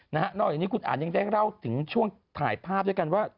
นอกจากนี้คุณอันยังได้เล่าถึงช่วงถ่ายภาพด้วยกันว่า